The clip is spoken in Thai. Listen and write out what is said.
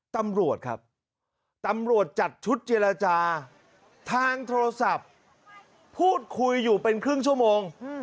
ตำรวจครับตำรวจจัดชุดเจรจาทางโทรศัพท์พูดคุยอยู่เป็นครึ่งชั่วโมง